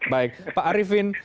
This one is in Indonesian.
baik pak arifin